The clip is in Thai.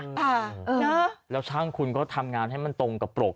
ค่ะนะแล้วช่างคุณก็ทำงานให้มันตรงกับปรก